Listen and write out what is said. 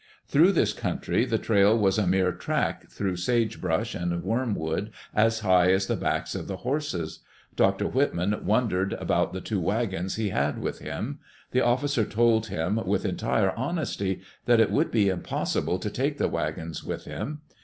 Through this country the trail was a mere track through sagebrush and wormwood as high as the backs of the horses. Dr. Whitman wondered about the two wagons he had with him. The officer told him, with entire honesty, that it would be impossible to take the wagons with him.